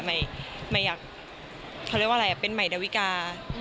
หมายอยากเป็นใหม่ดาวิกา